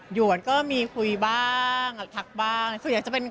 โหยวนก็มีคุยบ้างทักบ้าง